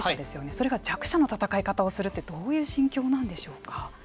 それが弱者の戦い方をするってどういう心境なんでしょうか。